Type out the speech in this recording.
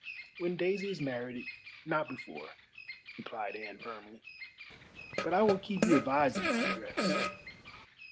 "When Daisy is married, not before," replied Anne firmly; "but I will keep you advised of my address."